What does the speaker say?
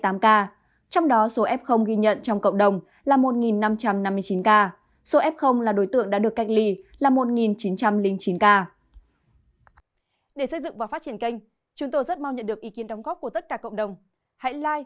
trong đó số f ghi nhận trong cộng đồng là một năm trăm năm mươi chín ca